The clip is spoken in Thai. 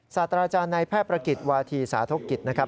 สาธาราชาณายแพทย์ประกิจวาธีสาธกิจนะครับ